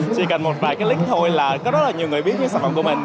chỉ cần một vài cái link thôi là có rất là nhiều người biết những sản phẩm của mình